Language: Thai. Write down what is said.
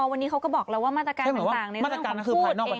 วันนี้เขาก็บอกเราว่ามาตรการต่างในเรื่องของพูด